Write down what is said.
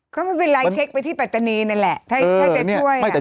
ก็ไม่เป็นไรเช็คไปที่ปัตตานีนั่นแหละถ้าจะช่วย